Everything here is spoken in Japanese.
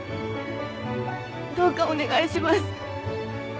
どうかお願いします。